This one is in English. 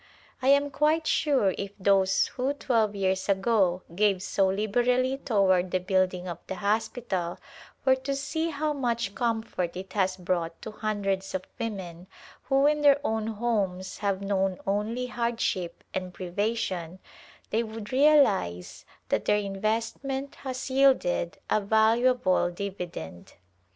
I am quite sure if those who twelve years ago gave so liberally toward the building of the hospital were to see how much [•52] Decemtial Co7i/erence at Calcutta comfort it has brought to hundreds of women who in their own homes have known only hardship and priva tion, they would realize that their investment has yielded a valuable dividend.